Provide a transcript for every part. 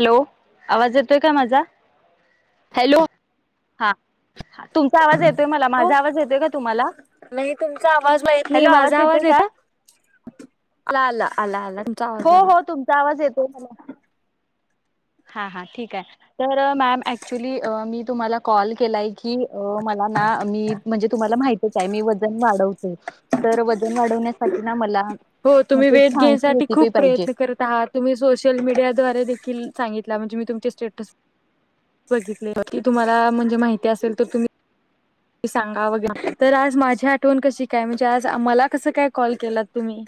Hello आवाज येतोय का माझा? हॅलो. हा तुमचा आवाज येतोय मला हॅलो माझा आवाज येतोय का तुम्हाला? नाही तुमचा आवाज माहीत नाही हॅलो माझा येतोय आवाज का येत आला आला आला आला. हो आवाज आला हो तुमचा आवाज येतो मला. हां हा ठीक आहे तर मॅम ऍक्च्युली मी तुम्हाला कॉल केलाय. की अ मला ना मी म्हणजे तुम्हाला माहतीच आहे मी वजन वाढवते. तर वजन वाढवण्यासाठी ना मला हो तुम्ही अशी एक वेट गेन छानशी साठी रेसिपी खूप पाहिजे प्रयत्न करतात तुम्ही सोशल मीडियाद्वारे देखील सांगितला म्हणजे मी तुमचे स्टेटस. बघितले की तुम्हाला म्हणजे माहिती असेल तर तुम् सांगा वगैरे तर आज माझी आठवण कशी काय म्हणजे आज मला कसं काय कॉल केला. तुम्ही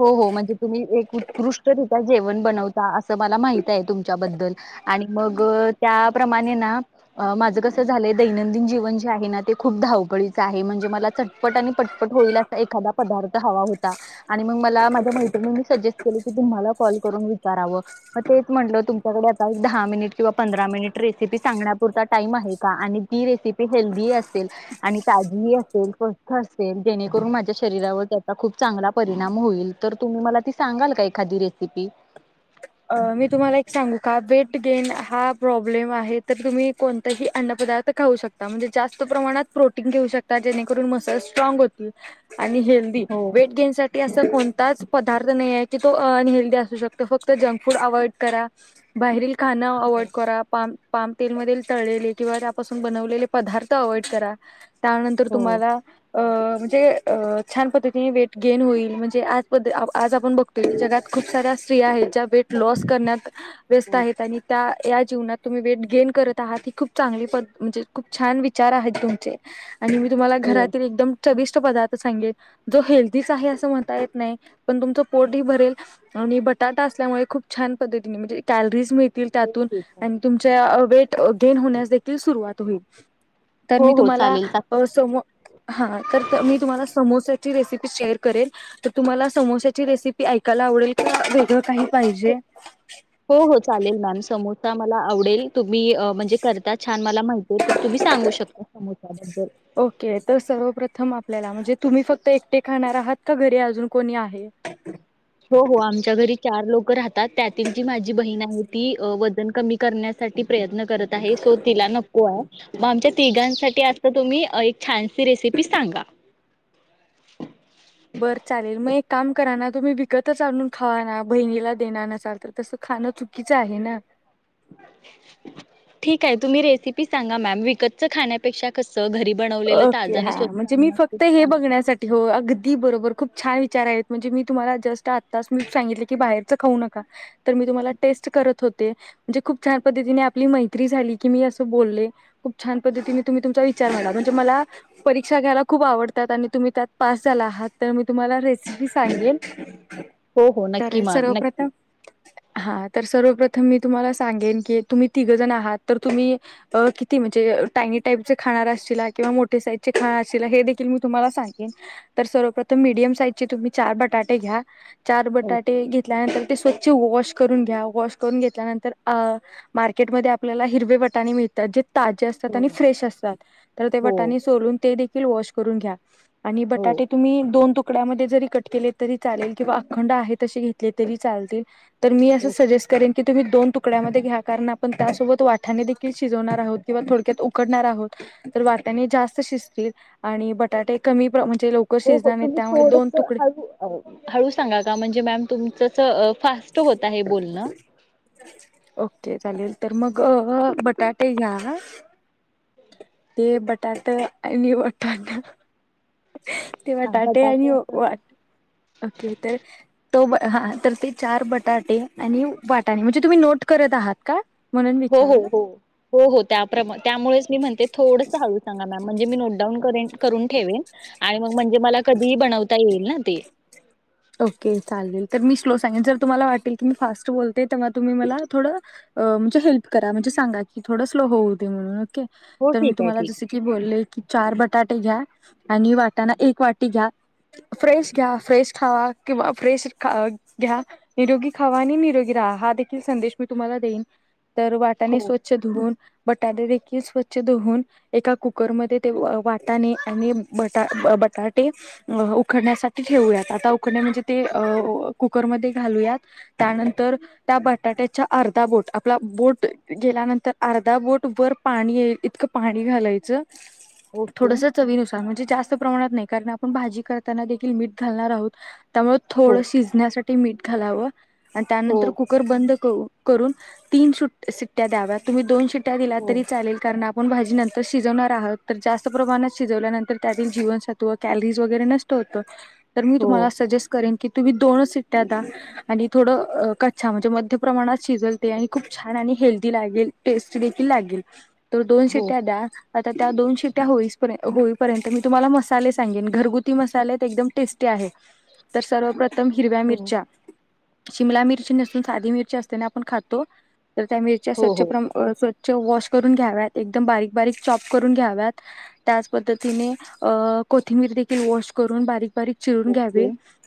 हो हो म्हणजे तुम्ही एक उत्कृष्टरित्या जेवण बनवता असं मला माहित आहे तुमच्याबद्दल आणि मग त्याप्रमाणे ना अ माझं कसं झालंय दैनंदिन जीवन जे आहे ना ते खूप धावपळीचं आहे म्हणजे मला चटपट आणि पटपट होईल असा एखादा पदार्थ हवा होता. आणि मग मला माझ्या मैत्रिणींनी सजेस्ट केलं की तुम्हाला कॉल करून विचारावं मग तेच म्हटलं च्याकडे आता एक दहा मिनिट किंवा पंधरा मिनिट रेसिपी सांगण्यापुरता टाइम आहे. का आणि ती रेसिपी हेल्दी असेल. आणि ताजीही असेल स्वस्त असेल जेणेकरून माझ्या शरीरावर खूप चांगला परिणाम होईल तर तुम्ही मला ती सांगाल का एखादी रेसिपी. मी तुम्हाला एक सांगू का वेट गेन हा प्रॉब्लेम आहे तर तुम्ही कोणताही अन्न पदार्थ खाऊ शकता म्हणजे जास्त प्रमाणात प्रोटीन घेऊ शकता जेणेकरून मसल स्ट्रांग होतील. आणि हे दी हो वेट गेन साठी असा कोणताच पदार्थ नही आहे की तो अनहेल्दी असू शकतो फक त जंक फूड अव्हॉइड करा, बाहेरील खाण अवॉइड हो करा, पाम पाम तेल मधील तळलेले किंवा त्यापासून बनवलेले पदार्थ अव्हॉइड करा. त्यानंतर हो तुम्हाला अ म्हणजे अ छान पद्धतीने वेट गेन होईल म्हणजे याज पद्ध आ आज आपण बघतोय जगात खूप साऱ्या स्त्रीयां आहेत ज्या वेट लॉस करण्यात व्यस्त हो आहेत आणि त्या या जीवनात तुम्ही वेट गेन करत आहात, ही खूप चांगली पद् म्हणजे खूप छान विचार आहेत तुमचे. आणि मी तुम्हाला हो घरातील एकदम. चविष्ट पदार्थ सांगेल जो हेल्दीच आहे असं म्हणता येत नाही पण तुमचं पोटही भरेल आणि बटाटा असल्यामुळे खूप छान पद्धतीने म्हणजे कॅलरीज मिळतील त्यातून आणि तुमच्या अ वेट अ गेन होण्यासं देखील सुरुवात होईल तर मी हो हो तुम्हाला चालेल चालेल अ. समो हा तर त मी तुम्हाला समोस्याची रेसिपी शेअर करेलं. तर तुम्हाला समोश्याची रेसिपी ऐकायला आवडेल का वेगळं काही पाहिजे. हो हो चालेल मॅम समोता मला आवडेल तुम्ही अ म्हणजे करता छान मला माहितीय, तर तुम्ही सांगू शकता समोसबद्दल. ओके तर सर्वप्रथम आपल्याला म्हणजे तुम्ही फक्त एकटे खाणार आहात का घरी अजून कोणी आहे? [inaudible] हो हो आमच्या घरी चार लोक राहतात, त्यातील जी माझी बहीण आहे ती वजन कमी करण्यासाठी प्रयत्न करत आहे, सो तिला नको आहे. म आमच्या तिघांसाठी आता तुम्ही एक छानसी रेसिपी सांगा? बरं चालेल मग एक काम करा ना तुम्ही विकतच आणून खावा ना बहिणीला देणार नसाल तर तसं खाणं चू कीच आहे ना. ठीक आहे तुम्ही रेसिपी सांगा मॅम विकतचं खाण्यापेक्षा कस घरी बनवलेलं ओके ताजं आणि हा स्वच्छ म्हणजे मी अन्न खूप फक्त हे चांगलं बघण्यासा ठी हो अगदी बरोबर खूप छान विचार आहेत, म्हणजे मी तुम्हाला जस्ट आत्तास मी सांगितले की बाहेरचं खाऊ नका. तर मी तुम्हाला टेस्ट करत होते, म्हणजे खूप छान पद्धतीने आपली मैत्री झाली, की मी असं बोलले. खूप छान पद्धतीने तुम्ही तुमचा विचार मांडा म्हणजे मला. परीक्षा घ्यायला खूप आवडतात आणि तुम्ही त्यात पास झाला आहात, तर मी तुम्हाला रेसिपी सांगेलं. हो हो नक्की तर मॅम नक्की सर्वप्रथम हा तर सर्वप्रथम मी तुम्हाला सांगेन, की तुम्ही तिघंजण आहात, तर तुम्ही अ किती म्हणजे, टायनी टाईपचे खाणार असशिला. किंवा मोठे साईजचे खानार असशिला हे देखील मी तुम्हाला सांगेन तर सर्वप्रथम मीडियम साईजचे तुम्ही चार बटाटे घ्या चार ओके बटाटे घेत घेतल्यानंतर ते स्वच्छ वॉश करून घ्या, वॉश करून घेतल्यानंतर अ मार्केटमध्ये आपल्याला हिरवे वटाणे मिळतात जे ताजे असतात, हो हो आणि फ्रेश असतात, तर ते वटाने हो सोलून ते देखील वॉश करून घ्या आणि बटाटे तुम्ही दोन तुकड्यामध्ये जरी कट केले तरी चालेल, किंवा अखंड आहे, तसे घेतले तरी चालतील. तर मी असं हो सजेस करेन की तुम्ही दोन तुकड्यामध्ये घ्या कारण आपण त्यासोबत वाठाने देखील शिजवणार आहोत, कींवा थोडक्यात उ कडणार आहोत, तर वाटाने जास्त शिजतील आणि बटाटे कमीप्र म्हणजे लव हो हो, तुम्ही थोडस हळु हळू सांगा का म्हणजे मॅम तुमचअसं फास्ट होत आहे बोलणं. ओके चालेल, तर मग बटाटे घ्या ते बटाट आनी वटानं ते बटाटे आणि वा ओके तर तो हा तर ते चार बटाटे आणि वाटाणे म्हणजे तुम्ही नोट करत आहात का? म्हणून हो हो विचारलं हो हो हो त्याप्रमा त्यामुळेच मी म्हणते, थोडंसं हळू सांगा मॅम म्हणजे मी नोट डाऊन करेन करून ठेवेन आणि मग म्हणजे मला कधीही बनवता येईल ना ते ओके चालेल तर मी स्लो सांगेन जर तुम्हाला वाटेल, की मी फास्ट बोलते, तेव्हा तुम्ही मला थोडं अ म्हणजे हेल्प करा म्हणजे सांगा की थोड स्लो होऊ दे म्हणून ओके हो तर मी ठीक आहे तुम्हाला ठीक आहे जसं कि बोलले की चार बटाटे घ्या आणि वाटाणा एक वाटी घ्या फ्रेश घ्या, फ्रेश खावा किंवा फ्रेश ख घ्या निरोगी खावा आणि निरोगी राहा, हा देखील संदेश मी तुम्हाला देईन, तर वाटाने हो स्व च्छ धुऊन बटाटे देखील स्वच्छ धुऊन एका कुकरमध्ये, ते वाटाणे आणि बटा बटाटे अ, उखडण्यासाठी ठेवूयात, आता उखडणं म्हणजे ते ओके कुकरमध्ये घालूयात, त्यानंतर त्या बटाट्याच्या अर्धा बोट, आपला बोट, गेल्यानंतर अर्धा बोट वर पाणी येईल इतकं पाणी घालायचं [inaudible] थोडस, चवीनुसार म्हणजे, जास्त प्रमाणात नाही कारण आपण भाजी करताना देखील मीठ घालणार आहोत त्यामुळं हो थोडं शिजण्यासाठी मीठ घालावं आणि त्यानंतर हो कु कर बंद करून तीन सू शिट्ट्या द्याव्यात तुमी दोन सिट्ट्या दिला हो तरी चालेल कारण आप आपण भाजी नंतर शिजवणार आहोत, तर जास्त प्रमाणात शिजवल्यानंतर त्यातील जीवनसत्व कॅलरीज वगैरे नस पण मी हो तुम्हाला सजेस्ट करेन की तुम्ही दोनचं सिट्ट्या द्या, आणि थोडं कच्च्या म्हणजे, मध्य प्रमाणात शिजेल ते आणि खूप छान आणि हेल्दी लागेल टेस्टी देखील लागेल, तर दोन हो शिट्ट्या द्या आता त्या दोन शिट्या होई होईपर्यंत, मी तुम्हाला मसाले सांगेन, घरगुती मसाले, ते एकदम टेस्ट ती आहे तर सर्वप्रथम हिरव्या हो मिरच्या शिमला मिरची नसून साधी मिरची असते ना आपण खातो, तर त्या मिरच्या हो स्वच्छ हो प्रमा अ, स्वच्छ वॉश करून घ्याव्यात, एकदम बारीक बारीक चॉप करून घ्याव्यात त्याच पद्धतीने अ कोथिंबीर देखील वॉश करून बारीक बारीक चिरून ओके घ्यावे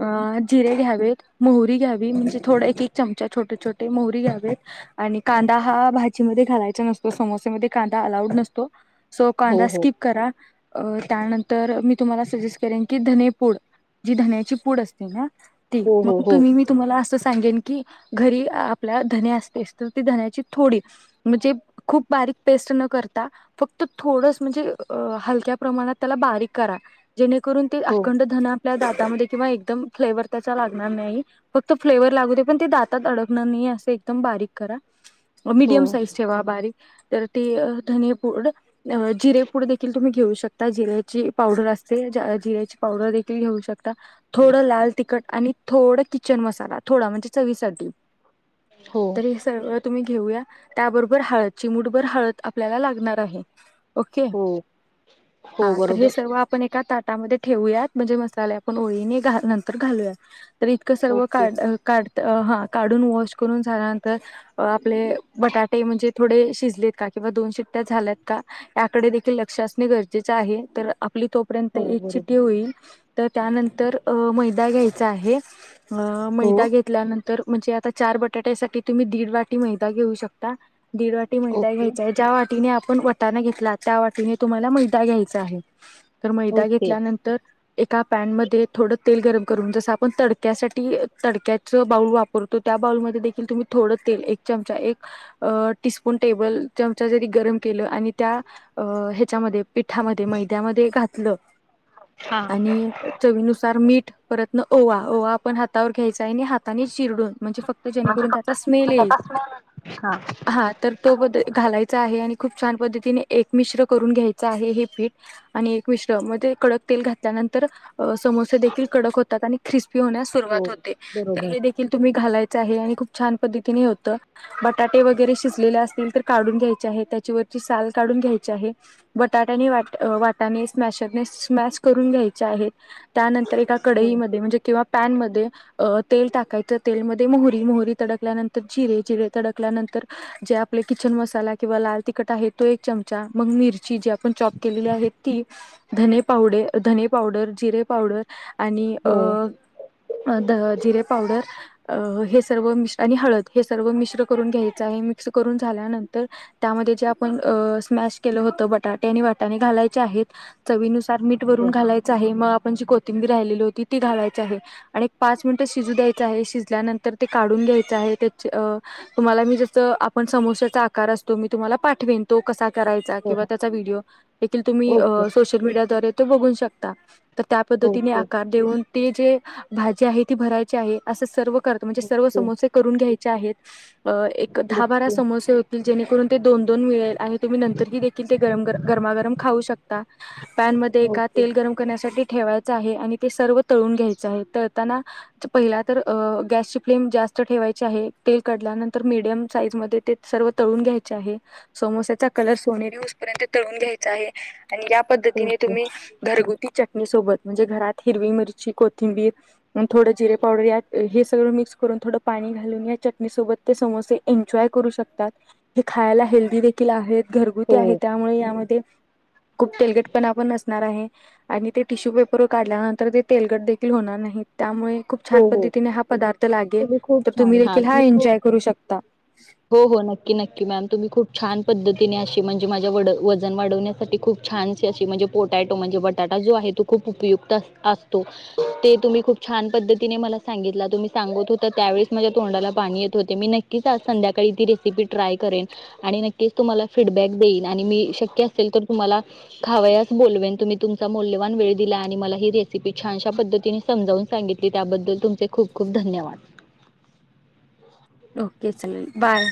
अ जिरे घ्यावेत, मोहरी घ्यावी, म्हणजे थोडा एक एक चमचा छोटे छोटे मोहरी घ्यावेत आणि कांदा हा भाजीमध्ये घालायचा नसतो, समोसेमध्ये कांदा अलाऊड नसतो. सो हो कांदा हो स्किप करा अं त्यानंतर मी तुम्हाला सजेस्ट करेन की धनेपूड जी धण्याची पूड असते ना ते हो हो मग हो तुम्ही मी तुम्हाला असं सांगेन की घरी आपल्या धने असतेस तर ती धन्याची थोडी म्हणजे खूप बारीक पेस्ट न करता फक्त थोडचं म्हणजे हलक्या प्रमाणात त्याला बारीक करा जेणेकरून ते हो अखंड धनं आपल्या दातामध्ये किंवा एकदम फ्लेवर, त्याचा लागणार नाही. फक्त फ्लेवर लागूदे पण ते दातात, अडकणार नाही असं एकदम बारीक करा मीडियम हो साईज ठेवा बारीक तर ते धनेपूड जिरेपूड देखील तुम्ही घेऊ शकता जिऱ्याची पावडर असते जिऱ्याची पावडर दे खील घेऊ शकता थोडं लाल तिखट आणि थोड किचन मसाला थोडा म्हणजे चवीसाठी हो तर हे सगळं तुमी घेऊया त्याबरोबर हळद चिमूठभर हळद आपल्याला लागणार आहे. ओके हो हो हा तर हे बरोबर सर्व आपण एका ताटामध्ये ठेवूयात म्हणजे मसाले आपण ओळीने नंतर घालूया तर इतकं सर्व ओके काढ हा काढून वॉश करून झाल्यानंतर आपले बटाटे म्हणजे थोडे शिजलेत का किंवा दोन शिट्ट्या झाल्यात का याकडे देखील लक्ष असणे गरजेचं आहे तर आपली तो पर्यंत हो एक चिटठी बरोबर होईल तर त्यानंतर मैदा घ्यायचा आहे. अ मैदा हो घेतल्यानंतर म्हणजे आता चार बटाट्यासाठी तुम्ही दीड वाटी मैदा घेऊ शकता. दीड वाटी मैदा ओके घ्यायचाय ज्या वाटीने आपण ता घेतला त्या वाटीने तुम्हाला मैदा घ्यायचा आहे तर मैदा ओके घेतल्यानंतर एका पॅनमध्ये थोडं तेल गरम करून जसं आपण तडक्यासाठी तडक्याचं बाऊल वापर करतो त्या बाउलमध्ये देखील तुम्ही थोडं तेल एक चमचा एक अ टीस्पून टेबल चमचा जरी गरम केलं आणि त्या अ ह्याच्यामध्ये पिठामध्ये मैद्यामध्ये घातलं हा. आणि चवीनुसार मीठ परत न ओवा, ओवा आपण हातावर घ्यायचा आहे आणि हाताने चिरडून म्हणजे फक्त जेणेकरून त्याचा स्मेल येईल, हा हा. तर तो पद घालायचा आहे आणि खूप छान पद्धतीने एक मिश्र करून घ्यायचं आहे हे पीठ आणि एक मिश्र मध्येे कडक तेल घात त्यानंतर समोसे देखील कडक होतात, आणि ख्रिस्पी होण्यास हो सुरुवात होते, त बरोबर हे देखील तुम्ही घालायचं आहे आणि खूप छान पद्धतीने होत. बटाटे वगैरे शिजलेले असतील तर काढून घ्यायचे आहे, त्याच्यावरची साल काढून घ्यायची आहे. बटाट्यानी वाट वाटाने स्मशरने स्मॅश करून घ्यायचे आहे त्यानंतर एका हो कडईमध्ये म्हणजे किंवा पॅनमध्ये अ तेल टाकायचं तेलमध्ये मोहरी, मोहरी तडकल्यानंतर जिरे, जिरे तडकल्यानंतर जे आपले किचन मसाला किंवा लाल तिखट आहे ते एक चमचा मग मिरची जी आपण चॉप केलेली आहे ती धने पावडे, धने पावडर, जिरे पावडर आणि अ हो द जिरे पावडर अ हे सर्व मिश आणि हळद हे सर्व मिश्र करून घ्यायचं आहे, मिक्स करून झाल्यानंतर त्यामध्ये जे आपण स्मॅश केलं होतं बटाटे आणि वटाणे घालायचे आहेत चवीनुसार मीठ हो वरून घालायचं आहे म आपण जी कोथिंबी राहिलेली होती ती घालायचं आहे. आणि एक पाच मिनिटं शिजू द्यायचं आहे शिजल्यानंतर ते काढून घ्यायचं आहे त्याच्या तुम्हाला मी जसं आपण समोस्याचा आकार असतो मी तुम्हाला पाठवेन. तो कसा करायचा हो किंवा हो त्याचा व्हिडिओ देखील तुम्ही ओके सोशल मीडियाद्वारे तो बघू शकता तर त्या पद्धतीने ओके आकार देऊन ते जे भाजी आहे ती भरायची आहे. असं सर्व करत म्हणजे सर्व ओके समोसे करून घ्यायचे आहेत एक दहा, बारा ओके ओके समोसे जेणेकरून ते दोन, दोन मिळेल आहे तुम्ही नंतर क देखील ते गरम गरमागरम खाऊ शकता. पॅनमध्ये एका ओके तेल गरम करण्यासाठी ठेवायचं आहे आणि ते सर्व तळून घ्यायचं आहे तळताना पहिला तर गॅसची फ्लेम जास्त ठेवायची आहे तेल कढल्यानंतर मीडियम साईज मध्ये ते सर्व तळून घ्यायचे आहे समोसेचा कलर सोनेरीस पर्यंत तळून घ्यायचा आहे आणि हो पद्धतीने तुम्ही घरगुती चटणी सोबत म्हणजे घरात हिरवी मिरची, कोथिंबीर थोडं जिरे पावडर या हे सगळं मिक्स करून थोडं पाणी घालून या चटणीसोबत ते समोसे एन्जॉय करू शकतात. हे खायला हेल्दी देखील आहेत घरगुती आहे त्यामुळे यामध्ये खूप तेलगटपणा पण नसणार आहे. आणि ते टिश्यू पेपरवर काढल्यानंतर ते तेलगट देखील होणार नाही त्यामुळे खूप छान हो हो पद्धतीने हा पदार्थ लागेल. तुम्ही खूप तर तुम्ही छान देखील हा खूप एन्जॉय करू शकता. हो हो नक्की नक्की मॅम. तुम्ही खूप छान पद्धतीने अशी म्हणजे माझ्या वड वजन वाढवण्यासाठी खूप छानशी अशी म्हणजे पोटॅटो म्हणजे बटाटा जो आहे तो खूप उपयुक्त अस असतो. ते तुम्ही खूप छान पद्धती तिने मला सांगितला तुम्ही सांगत होता त्यावेळीस माझ्या तोंडाला पाणी येत होते. मी नक्कीच आज संध्याकाळी ती रेसे पी ट्राय करेन आणि नक्कीच तुम्हाला फीडबॅक देईन. आणि मी शक्य असेल तर तुम्हाला खावयास बोलवेन. तुम्ही तुमचा मौल्यवान वेळ दिला आणि मला ही रेसिपी छानशा पद्धतीने समजावून सांगितली त्याबद्दल तुमचे खूप खूप धन्यवाद. ओके चालेल. बाय.